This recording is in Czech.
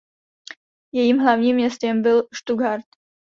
Jejím hlavním městem byl Stuttgart.